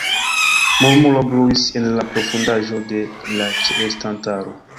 Murmuro bruis en la profundaĵo de la ĉeestantaro.